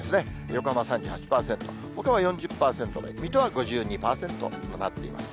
横浜３８％、ほかは４０％台、水戸は５２％となっています。